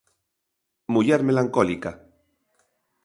"Muller melancólica".